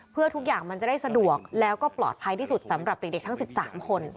เพื่อทุกอย่างมันจะได้สะดวกแล้วก็ปลอดภัยที่สุดสำหรับเด็กทั้ง๑๓คน